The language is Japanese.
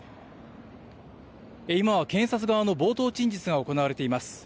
今は検察側の冒頭陳述が行われています。